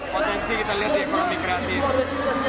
potensi kita lihat di ekonomi kreatif